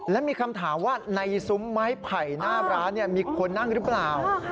และมีคำถามว่าในซุ้มไม้ไผ่หน้าร้านมีคนนั่งหรือเปล่า